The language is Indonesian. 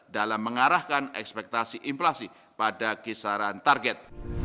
dalam mengarahkan ekspektasi inflasi pada kisaran target